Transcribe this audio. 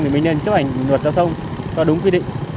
thì mình nên chấp hành luật giao thông cho đúng quy định